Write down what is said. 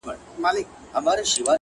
• زور یې نه وو په وزر او په شهپر کي ,